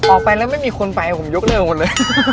ออกไปแล้วไม่มีคนไปผมยกเลิกหมดเลย